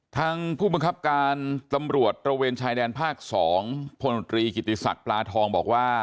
ผู้บังคับการตำรวจตระเวนชายแดนภาค๒พลตรีกิติศักดิ์ปลาทองบอกว่า